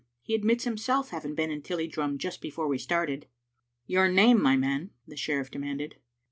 He admits himself having been in Tilliedrum just before we started." " Your name, my man?" the sheriff demanded.